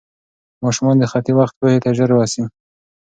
ماشومان د خطي وخت پوهې ته ژر رسي.